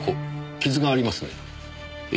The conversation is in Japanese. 傷がありますねえ。